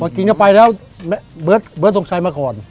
พอกินกันไปแล้วเบิร์ดเบิร์ดสงสัยมาก่อน